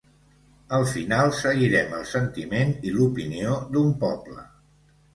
Al final seguirem el sentiment i l’opinió d’un poble.